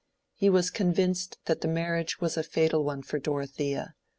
He was convinced that the marriage was a fatal one for Dorothea.